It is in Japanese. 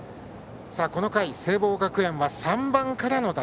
この回、聖望学園は３番から。